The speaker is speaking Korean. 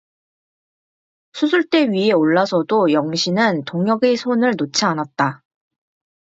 수술대 위에 올라서도 영신은 동혁의 손을 놓지 않았다.